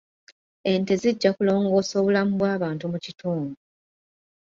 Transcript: Ente zijja kulongoosa obulamu bw'abantu mu kitundu.